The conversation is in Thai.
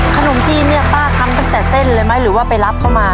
ขนมจีนเนี่ยป้าทำตั้งแต่เส้นเลยไหมหรือว่าไปรับเขามา